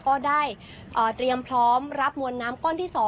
ก็ได้เตรียมพร้อมรับมวลน้ำก้อนที่๒